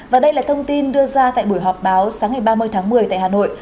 và đây là thông tin đưa ra tại buổi họp báo sáng ngày ba mươi tháng một mươi tại hà nội